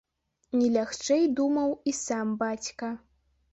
Не лягчэй думаў і сам бацька.